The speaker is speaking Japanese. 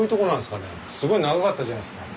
すごい長かったじゃないですか。